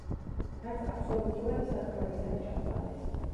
რაც აბსოლუტურად საკმარისად ჩათვალეს.